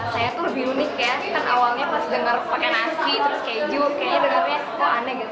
saya tuh lebih unik ya kan awalnya pas dengar pakai nasi terus keju kayaknya dengernya kok aneh gitu